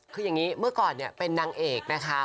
คืออย่างนี้เมื่อก่อนเนี่ยเป็นนางเอกนะคะ